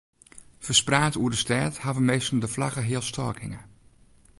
Ferspraat oer de stêd hawwe minsken de flagge healstôk hinge.